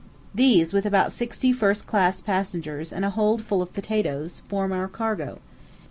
These, with about sixty first class passengers and a hold full of potatoes, form our cargo.